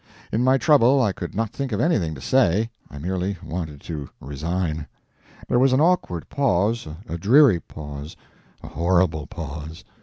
In my trouble I could not think of anything to say, I merely wanted to resign. There was an awkward pause, a dreary pause, a horrible pause.